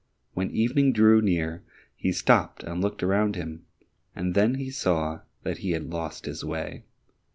When evening drew near he stopped and looked around him, and then he saw that he had lost his way.